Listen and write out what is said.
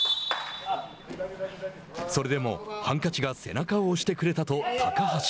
それでも「ハンカチが背中を押してくれた」と高橋。